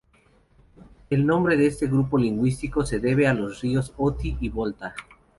El nombre de este grupo lingüístico se debe a los ríos Oti y Volta.